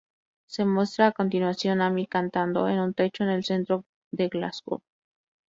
Se muestra a continuación, Amy cantando en un techo en el centro de Glasgow.